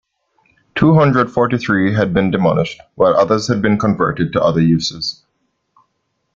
Two-hundred forty three had been demolished while others had been converted to other uses.